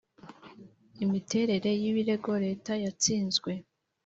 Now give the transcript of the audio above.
Imiterere y ibirego Leta yatsinzwe